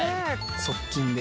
側近で。